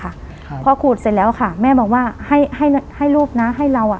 ครับพอขูดเสร็จแล้วค่ะแม่บอกว่าให้ให้ให้ลูกนะให้เราอ่ะ